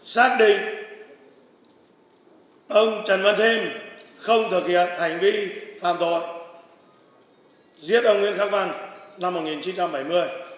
xác định ông trần văn thiêm không thực hiện hành vi phạm tội giết ông nguyễn khắc văn năm một nghìn chín trăm bảy mươi